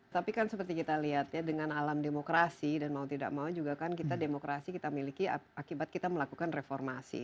tapi kan seperti kita lihat ya dengan alam demokrasi dan mau tidak mau juga kan kita demokrasi kita miliki akibat kita melakukan reformasi